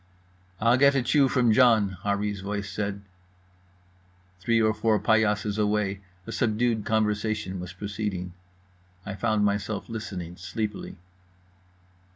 "I'll get a chew from John" Harree's voice said. Three or four paillasses away, a subdued conversation was proceeding. I found myself listening sleepily.